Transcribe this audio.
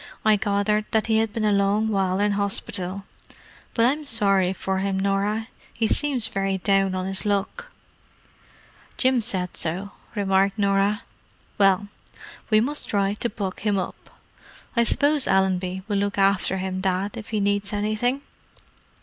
I gathered that he had been a long while in hospital. But I'm sorry for him, Norah; he seems very down on his luck." "Jim said so," remarked Norah. "Well, we must try to buck him up. I suppose Allenby will look after him, Dad, if he needs anything?"